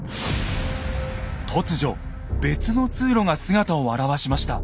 突如別の通路が姿を現しました。